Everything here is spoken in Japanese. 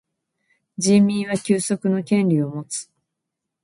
人民は休息の権利をもつ。